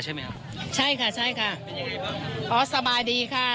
ใช่ไหมครับใช่ค่ะใช่ค่ะเป็นยังไงบ้างครับอ๋อสบายดีค่ะ